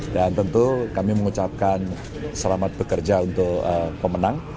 dan tentu kami mengucapkan selamat bekerja untuk pemenang